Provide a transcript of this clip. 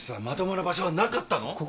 まともな場所はなかったの？